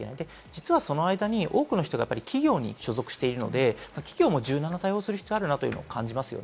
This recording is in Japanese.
実はその間に多くの人が企業に所属しているので柔軟な対応をする必要があります。